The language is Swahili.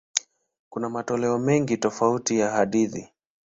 Kuna matoleo mengi tofauti ya hadithi.